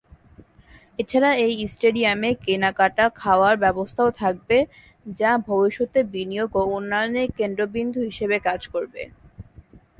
এছাড়া এই স্টেডিয়ামে কেনাকাটা, খাওয়ার ব্যবস্থাও থাকবে যা ভবিষ্যতে বিনিয়োগ ও উন্নয়নের কেন্দ্রবিন্দু হিসাবে কাজ করবে।